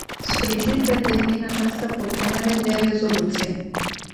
Sprijin pe deplin această propunere de rezoluție.